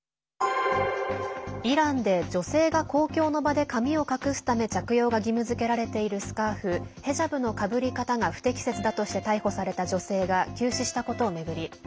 イランで女性が公共の場で髪を隠すため着用が義務付けられているスカーフヘジャブのかぶり方が不適切だとして逮捕された女性が急死したことを巡り